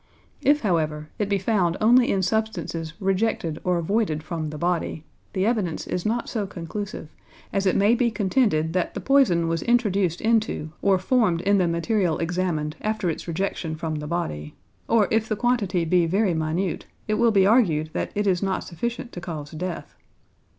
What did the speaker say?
If, however, it be found only in substances rejected or voided from the body, the evidence is not so conclusive, as it may be contended that the poison was introduced into or formed in the material examined after its rejection from the body, or if the quantity be very minute it will be argued that it is not sufficient to cause death.